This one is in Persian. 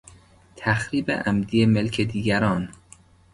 تخریب عمدی ملک دیگران